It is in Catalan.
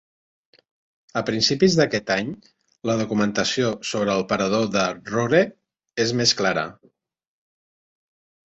A principis d'aquest any, la documentació sobre el parador de Rore és més clara.